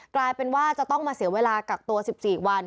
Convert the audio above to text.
กลายเป็นว่าจะต้องมาเสียเวลากักตัว๑๔วัน